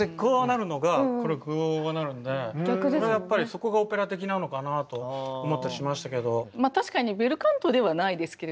やっぱりそこがオペラ的なのかなと思ったりしましたけど。